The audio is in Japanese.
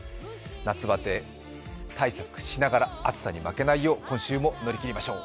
夏バテ対策しながら、暑さに負けないよう今週も乗り切りましょう。